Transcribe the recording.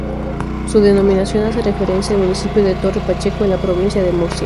Su denominación hace referencia al municipio de Torre-Pacheco en la provincia de Murcia.